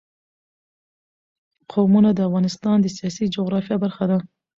قومونه د افغانستان د سیاسي جغرافیه برخه ده.